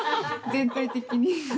全体的に。